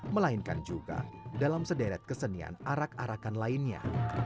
melainkan juga dalam sederet kesenian arak arakan lainnya